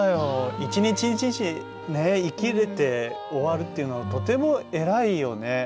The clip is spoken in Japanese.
一日一日生きて終わるっていうのは本当偉いよね。